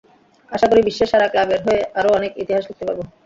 আশা করি, বিশ্বের সেরা ক্লাবের হয়ে আরও অনেক ইতিহাস লিখতে পারব।